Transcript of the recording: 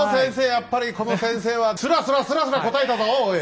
やっぱりこの先生はスラスラスラスラ答えたぞおい。